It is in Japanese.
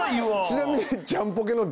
ちなみに。